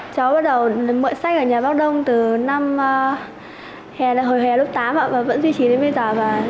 cháu bắt đầu mượn sách ở nhà bác đông từ năm hồi hề lớp tám và vẫn duy trì đến bây giờ